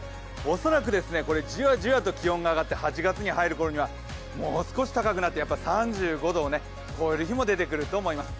恐らくじわじわと気温が上がって８月に入るころにはもう少し高くなって、３５度を超える日も出てくると思います。